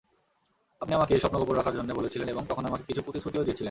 আপনি আমাকে এ স্বপ্ন গোপন রাখার জন্যে বলেছিলেন এবং তখন আমাকে কিছু প্রতিশ্রুতিও দিয়েছিলেন।